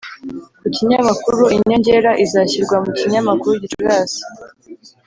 ku kinyamakuru, inyongera izashyirwa mu kinyamakuru gicurasi.